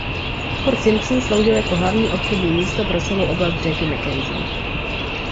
Fort Simpson sloužil jako hlavní obchodní místo pro celou oblast řeky Mackenzie.